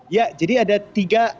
ya jadi ada tiga